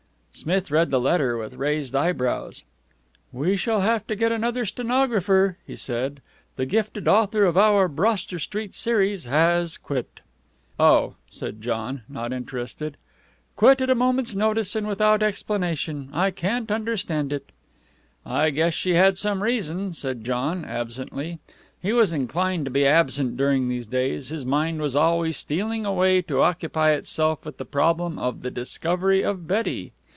Smith read the letter with raised eyebrows. "We shall have to get another stenographer," he said. "The gifted author of our Broster Street series has quit." "Oh!" said John, not interested. "Quit at a moment's notice and without explanation. I can't understand it." "I guess she had some reason," said John, absently. He was inclined to be absent during these days. His mind was always stealing away to occupy itself with the problem of the discovery of Betty.